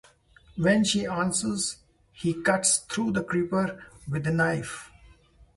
When she answers, he cuts through the creeper with a knife.